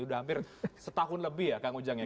sudah hampir setahun lebih ya kang ujang ya